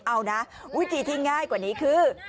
เอานะวิธีที่ง่ายกว่านี้คือ